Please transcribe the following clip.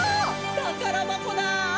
たからばこだ！